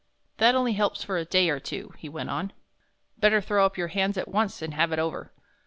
"That only helps for a day or two," he went on. "Better throw up your hands at once and have it over.